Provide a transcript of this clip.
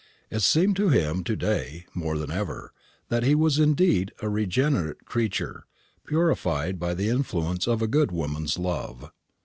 It seemed to him to day, more than ever, that he was indeed a regenerate creature, purified by the influence of a good woman's love.